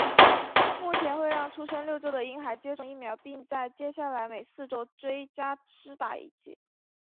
目前会让出生六周的婴孩接种疫苗并在接下来每四周追加施打一剂。